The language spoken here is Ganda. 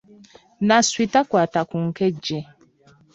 Nasswi takwata ku nkejje.